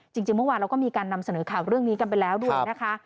จริงเมื่อวานเราก็มีการนำเสนอข่าวเรื่องนี้กันไปแล้วด้วยนะคะ